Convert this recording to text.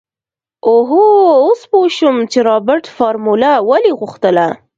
اوهوهو اوس پو شوم چې رابرټ فارموله ولې غوښتله.